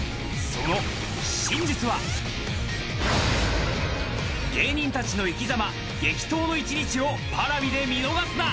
その真実は芸人達の生き様「激闘の１日」をＰａｒａｖｉで見逃すな！